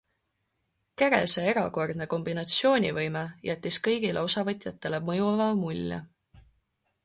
Kerese erakordne kombinatsioonivõime jättis kõigile osavõtjatele mõjuva mulje.